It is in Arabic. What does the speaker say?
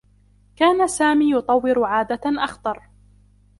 كان سامي يطوّر عادة أخطر.